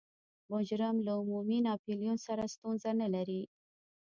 مجرم له عمومي ناپلیون سره ستونزه نلري.